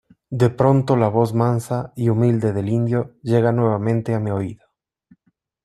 de pronto la voz mansa y humilde del indio llega nuevamente a mi oído.